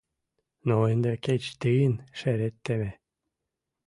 Ну ынде кеч тыйын шерет теме?»